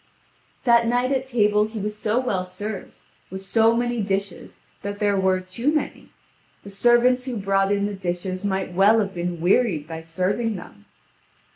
That night at table he was so well served with so many dishes that there were too many. The servants who brought in the dishes might well have been wearied by serving them.